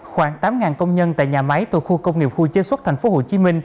khoảng tám công nhân tại nhà máy từ khu công nghiệp khu chế xuất tp hcm